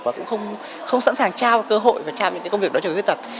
và cũng không sẵn sàng trao cơ hội và trao những công việc đó cho người khuyết tật